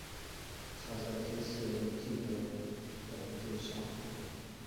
他在第四任帝国皇帝沙胡。